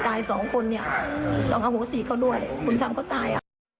ต้องอโฮสิเขาด้วยเขาตาย